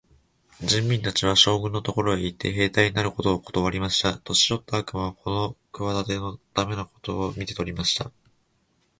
人民たちは、将軍のところへ行って、兵隊になることをことわりました。年よった悪魔はこの企ての駄目なことを見て取りました。